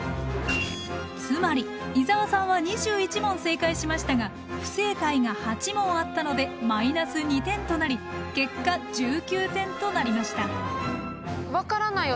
つまり伊沢さんは２１問正解しましたが不正解が８問あったのでマイナス２点となり結果１９点となりました。